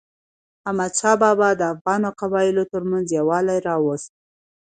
احمدشاه بابا د افغانو قبایلو ترمنځ یووالی راوست.